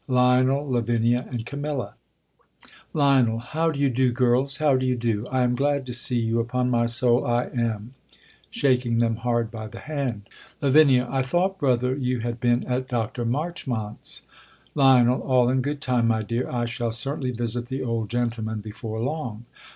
Lionel, Lavinia, and Camilla. Lionel, pr^^ ^° y^" ^o» g^^^s ? how do you do ? XX I am glad to see you, upon my soul 1 am. [Shaking them hard hy the hand, Lavinia, I thought, brother, you had been at Dr. Marchmont's !> Lion, All in good tunc, my dear; I shall certainly •'visit the old gendeman before long.